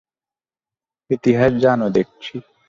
ইতিহাস জানো দেখছি।